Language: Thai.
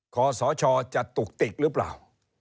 ขอสชจะตุกติกหรือเปล่า